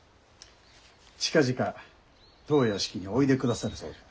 近々当屋敷においでくださるそうじゃ。